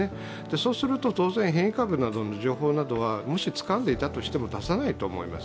そうすると当然変異株の情報などはもしつかんでいたとしても出さないと思います。